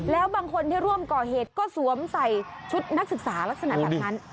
แล้วบางคนที่ร่วมก่อเหตุก็สวมใส่ชุดนักศึกษาลักษณะแบบนั้น